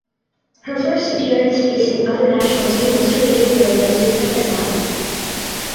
Her first appearance facing other national team was two days later against Uzbekistan.